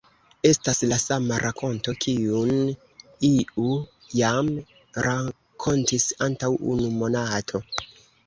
Estas la sama rakonto, kiun iu jam rakontis antaŭ unu monato!